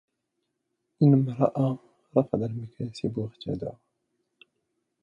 إن امرأ رفض المكاسب واغتدى